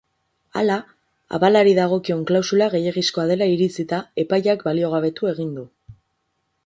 Hala, abalari dagokion klausula gehiegizkoa dela iritzita, epaileak baliogabetu egin du.